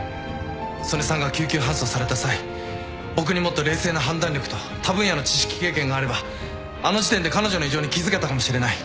曽根さんが救急搬送された際僕にもっと冷静な判断力と他分野の知識経験があればあの時点で彼女の異常に気付けたかもしれない。